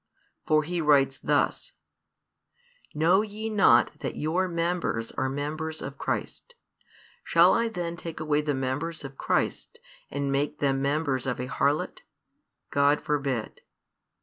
For he writes thus: Know ye not that your members are members of Christ? Shall I then take away the members of Christ, and make them members of a harlot? God forbid.